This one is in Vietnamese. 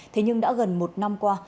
thế nhưng đã gần một năm qua